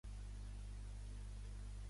Alexandre va cedir el país al rei Porus.